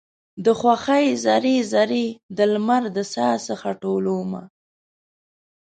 د خوښۍ ذرې، ذرې د لمر د ساه څه ټولومه